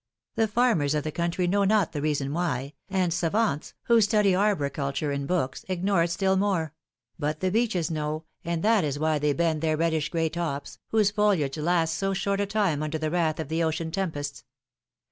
The farmers of the country know not the reason why, and ■ savants, who study arboriculture in books, ignore it still more; but the beeches know, and that is why they bend their reddish gray tops, whose foliage lasts so short a time under the wrath of the ocean tempests.